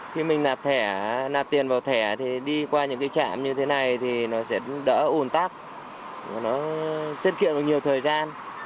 khi mình nạp thẻ nạp tiền vào thẻ thì đi qua những cái chạm như thế này thì nó sẽ đỡ ủn tác tiết kiệm được nhiều thời gian